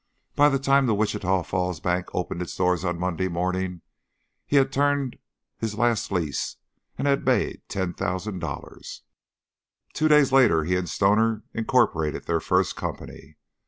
By the time the Wichita Falls bank opened its doors on Monday morning he had turned his last lease and had made ten thousand dollars. A few days later he and Stoner incorporated their first company.